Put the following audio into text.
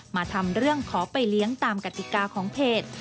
มาทำเรื่องขอไปเลี้ยงตามกติกาของเพจ